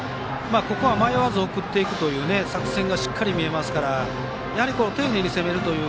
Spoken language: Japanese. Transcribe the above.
ここは迷わず送っていくという作戦がしっかり見えますからやはり丁寧に攻めるという。